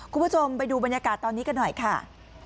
คุณผู้ชมไปดูบรรยากาศตอนนี้กันหน่อยค่ะ